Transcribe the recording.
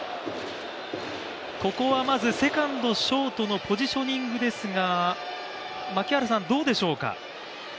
ここはまずセカンド、ショートのポジショニングですが槙原さん、どうでしょうか。